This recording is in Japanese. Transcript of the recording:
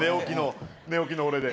寝起きの俺で。